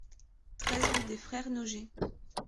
treize rue des Frères Noger